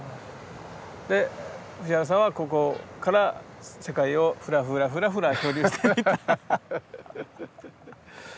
で藤原さんはここから世界をふらふらふらふら漂流していった。